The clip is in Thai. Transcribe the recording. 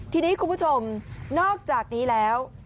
ทีนี้คุณผู้ชมนอกจากนี้แล้ว